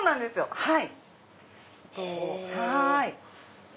はい。